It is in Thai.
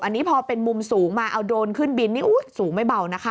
อันนี้พอเป็นมุมสูงมาเอาโดรนขึ้นบินนี่อุ๊ยสูงไม่เบานะคะ